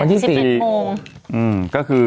วันที่สี่